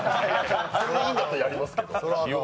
それでもよかったらやりますけど。